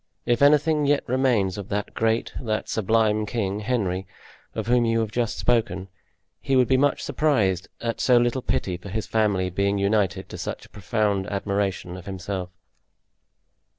If anything yet remains of that great, that sublime king, Henry, of whom you have just spoken, he would be much surprised at so little pity for his family being united to such a profound admiration of himself."